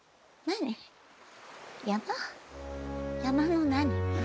山の何？